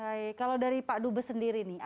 baik kalau dari pak dubes sendiri nih